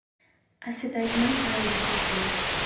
A cidade não para de crescer